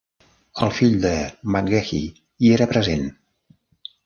El fill de McGahey hi era present.